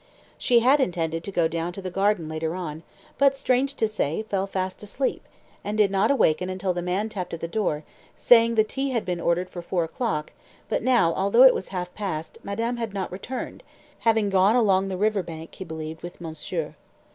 She had intended to go down to the garden later on, but, strange to say, fell fast asleep, and did not awaken until the man tapped at her door, saying the tea had been ordered for four o'clock, but now, although it was half past, madame had not returned, having gone along the river bank, he believed, with monsieur.